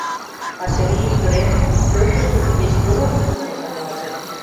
— Качырий, ӱдырем, пӧртышкыжӧ кеч пуро! — манеш аваже.